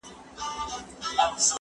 هغه وويل چي کالي وچول مهم دي!؟